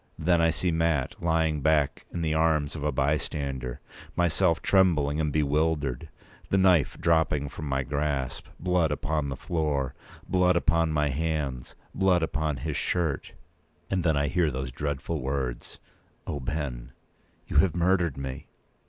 Then I see Mat lying back in the arms of a bystander; myself trembling and bewildered—the knife dropping from my grasp; blood upon the floor; blood upon my hands; blood upon his shirt. And then I hear those dreadful words: "O, Ben, you have murdered me!"